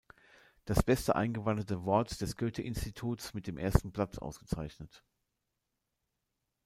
Das beste eingewanderte Wort“ des Goethe-Instituts mit dem ersten Platz ausgezeichnet.